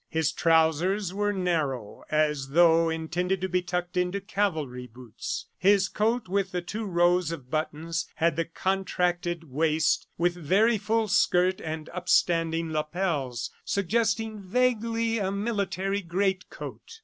His trousers were narrow, as though intended to be tucked into cavalry boots. His coat with two rows of buttons had the contracted waist with very full skirt and upstanding lapels, suggesting vaguely a military great coat.